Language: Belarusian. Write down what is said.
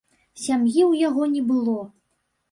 Сям'і ў яго не было.